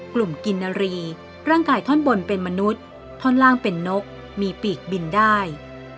กินนารีร่างกายท่อนบนเป็นมนุษย์ท่อนล่างเป็นนกมีปีกบินได้